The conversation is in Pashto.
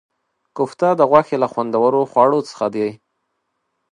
کوفته د غوښې له خوندورو خواړو څخه دی.